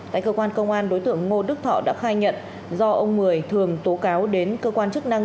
tại cơ quan công an đối tượng ngô đức thọ đã khai nhận do ông mười thường tố cáo đến cơ quan chức năng